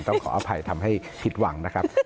ขออภัยทำให้ผิดหวังนะครับ